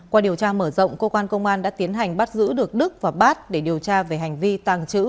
qua điều tra mở rộng cơ quan công an đã tiến hành bắt giữ được đức và bát để điều tra về hành vi tàng trữ